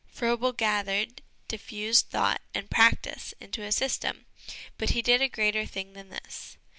Froebel gathered diffused thought and practice into a system, but he did a greater thing than this.